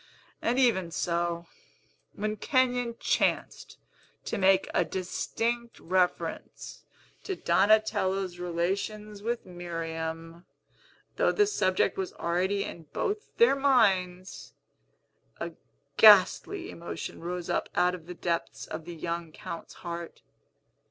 And even so, when Kenyon chanced to make a distinct reference to Donatello's relations with Miriam (though the subject was already in both their minds), a ghastly emotion rose up out of the depths of the young Count's heart.